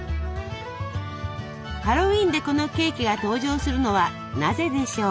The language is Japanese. ハロウィーンでこのケーキが登場するのはなぜでしょう？